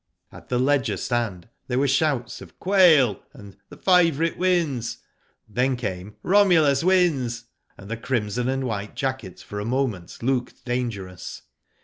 At the Leger stand there were shouts of /'Quail," and "the favourite wins." Then came " Romulus wins," and the crimson and white jacket for a moment looked dangerous.